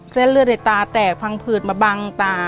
เส้นเลือดในตาแตกพังผืดมาบังตา